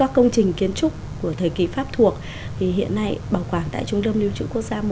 các công trình kiến trúc của thời kỳ pháp thuộc hiện nay bảo quản tại trung tâm lưu trữ quốc gia một